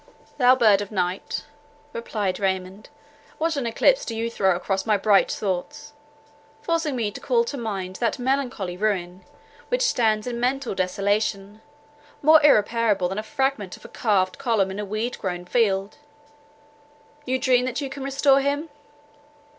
"Thou bird of night," replied Raymond, "what an eclipse do you throw across my bright thoughts, forcing me to call to mind that melancholy ruin, which stands in mental desolation, more irreparable than a fragment of a carved column in a weed grown field. You dream that you can restore him?